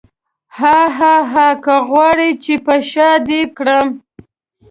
هاهاها که غواړې چې په شاه دې کړم.